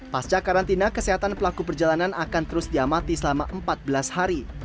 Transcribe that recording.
pasca karantina kesehatan pelaku perjalanan akan terus diamati selama empat belas hari